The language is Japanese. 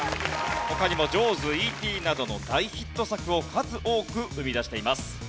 他にも『ジョーズ』『Ｅ．Ｔ．』などの大ヒット作を数多く生み出しています。